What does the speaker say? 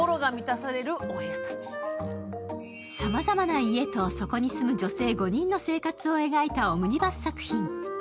さまざまな家と、そこに住む女性５人の生活を描いたオムニバス作品。